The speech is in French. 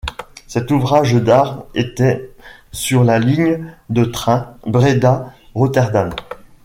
Cet ouvrage d'art était sur la ligne de train Breda-Rotterdam.